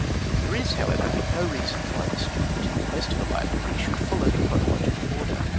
There is, however, no reason why the student in quest of a library should follow the chronological order.